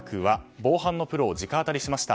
防犯のプロを直アタリしました。